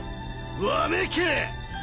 わめけ！